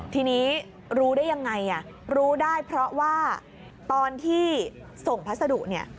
ทีนี้รู้ได้ยังไงรู้ได้เพราะว่าตอนที่ส่งพัสดุเนี่ย